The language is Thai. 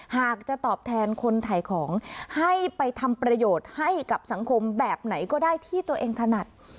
หากจะตอบแทนคนถ่ายของให้ไปทำประโยชน์ให้กับสังคมแบบไหนก็ได้ที่ตัวเองถนัด